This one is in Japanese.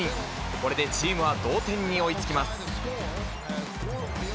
これでチームは同点に追いつきます。